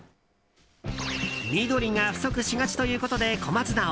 緑が不足しがちということでコマツナを。